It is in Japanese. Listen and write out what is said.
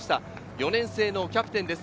４年生キャプテンです。